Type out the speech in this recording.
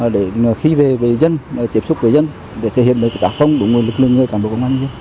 để khi về với dân tiếp xúc với dân để thể hiện đối với tác phong đủ nguồn lực lượng người cảng bộ công an nhân dân